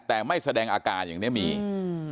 แต่ไม่แสดงอาการอย่างเนี้ยมีอืม